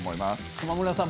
駒村さん